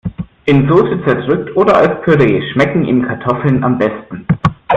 In Soße zerdrückt oder als Püree schmecken ihm Kartoffeln am besten.